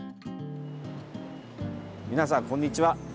皆さん、こんにちは。